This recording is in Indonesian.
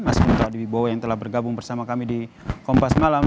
mas mitra dwi bowo yang telah bergabung bersama kami di kompas malam